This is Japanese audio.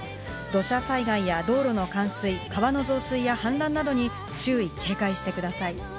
土砂災害や道路の冠水、川の増水やはん濫などに注意警戒してください。